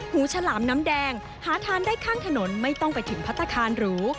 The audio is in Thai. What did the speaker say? ฉลามน้ำแดงหาทานได้ข้างถนนไม่ต้องไปถึงพัฒนาคารหรู